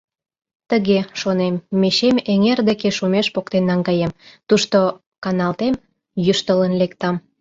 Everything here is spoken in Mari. «Тыге, — шонем, — мечем эҥер деке шумеш поктен наҥгаем, тушто каналтем, йӱштылын лектам».